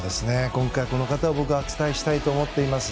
今回はこの方を僕はお伝えしたいと思います。